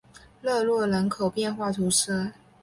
热诺人口变化图示